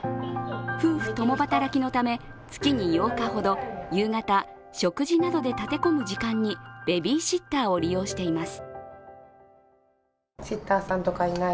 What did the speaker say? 夫婦共働きのため、月に８日ほど夕方、食事などで立て込む時間にベビーシッターを利用しています。